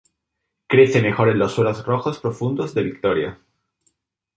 Crece mejor en los suelos rojos profundos de Victoria.